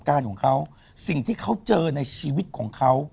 การของเขาสิ่งที่เขาเจอในชีวิตของเขา